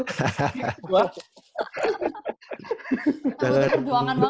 kamu terjuangan banget gitu